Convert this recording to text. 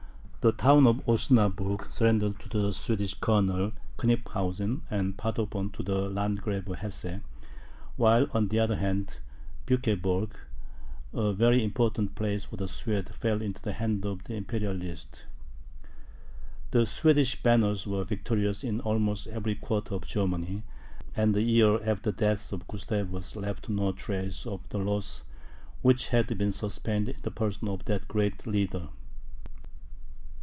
The town of Osnaburg surrendered to the Swedish Colonel Knyphausen, and Paderborn to the Landgrave of Hesse; while, on the other hand, Bueckeburg, a very important place for the Swedes, fell into the hands of the Imperialists. The Swedish banners were victorious in almost every quarter of Germany; and the year after the death of Gustavus, left no trace of the loss which had been sustained in the person of that great leader.